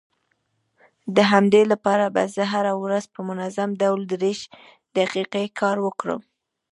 د همدې لپاره به زه هره ورځ په منظم ډول دېرش دقيقې کار وکړم.